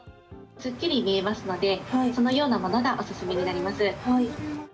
すっきり見えますので、このようなものがお勧めになります。